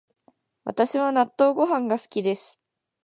私は納豆ご飯が好きです